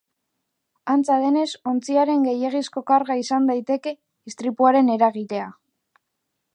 Antza denez, ontziaren gehiegizko karga izan daiteke istripuaren eragilea.